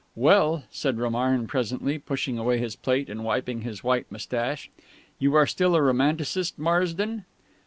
"Well," said Romarin presently, pushing away his plate and wiping his white moustache, "are you still a Romanticist, Marsden?"